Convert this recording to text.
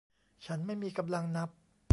ฉันไม่มีกำลังนับ